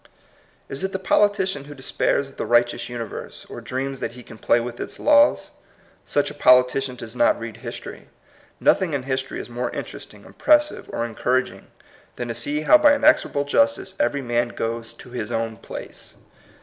Is it the politician who despairs of the righteous universe, or dreams that he can play with its laws ? Such a politician does not read history. Nothing in history is more interesting, impressive, or encoura ging than to see how by inexorable justice every man goes to '• his own place."